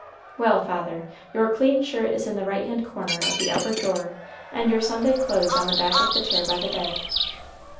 "Well, father, your clean shirt is in the right hand corner of the upper drawer, and your Sunday clothes on the back of the chair by the bed."